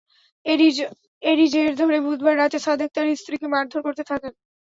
এরই জের ধরে বুধবার রাতে সাদেক তাঁর স্ত্রীকে মারধর করতে থাকেন।